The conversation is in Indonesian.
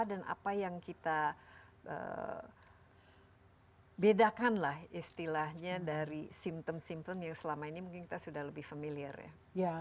apa yang kita bedakan lah istilahnya dari simptom simptom yang selama ini mungkin kita sudah lebih familiar ya